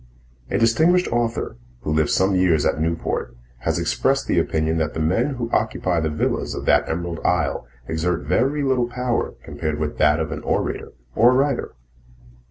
A distinguished author, who lived some years at Newport, has expressed the opinion that the men who occupy the villas of that emerald isle exert very little power compared with that of an orator or a writer.